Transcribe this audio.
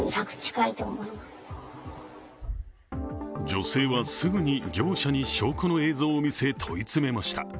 女性はすぐに業者に証拠の映像を見せ問い詰めました。